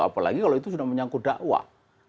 apalagi kalau itu sudah menyangkut dakwah